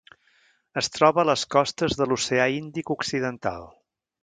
Es troba a les costes de l'Oceà Índic Occidental.